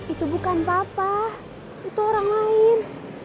itu bukan papa itu orang lain